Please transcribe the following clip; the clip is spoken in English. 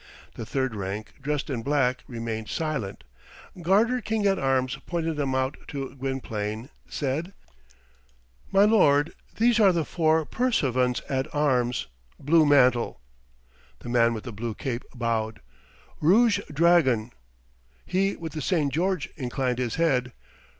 The third rank, dressed in black, remained silent. Garter King at Arms, pointing them out to Gwynplaine, said, "My lord, these are the four Pursuivants at Arms. Blue Mantle." The man with the blue cape bowed. "Rouge Dragon." He with the St. George inclined his head.